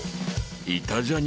［イタジャニ